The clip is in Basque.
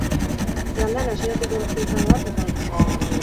Igandean, hasieratik eguzkia izango da protagonista.